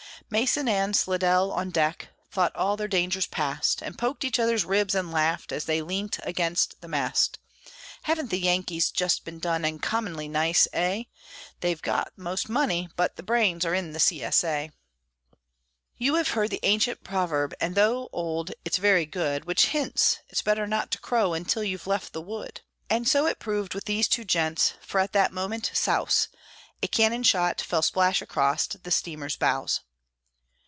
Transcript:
Mason and Slidell, on deck, thought all their dangers past, And poked each other's ribs and laughed, as they leant against the mast: "Haven't the Yankees just been done uncommonly nice, eh? They've got most money, but the brains are in the C. S. A.!" You have heard the ancient proverb, and, though old, it's very good, Which hints "it's better not to crow until you've left the wood." And so it proved with these two gents; for at that moment souse! A cannon shot fell splash across the steamer's bows.